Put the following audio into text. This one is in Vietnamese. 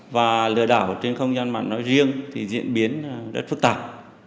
và lừa đảo trên không gian mạng nói riêng thì diễn biến rất phức tạp